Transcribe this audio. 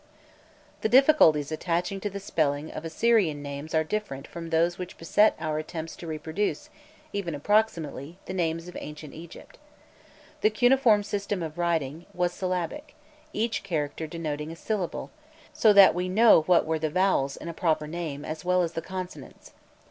The difficulties attaching to the spelling of Assyrian names are different from those which beset our attempts to reproduce, even approximately, the names of ancient Egypt. The cuneiform system of writing was syllabic, each character denoting a syllable, so that we know what were the vowels in a proper name as well as the consonants.